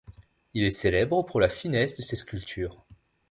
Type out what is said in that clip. Il est célèbre pour la finesse de ses sculptures.